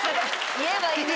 言えばいいのに。